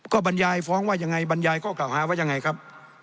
ก็บรรยายฟ้องว่ายังไงบรรยายข้อกล่าวหาว่ายังไงครับ